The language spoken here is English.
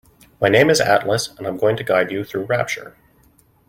My name is Atlas and I'm going to guide you through Rapture.